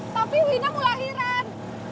tapi wina mau lahiran